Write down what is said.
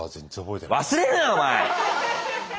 忘れるなよお前！